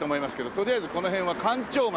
とりあえずこの辺は官庁街。